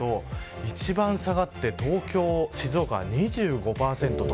一番下がって今日、東京、静岡２５％。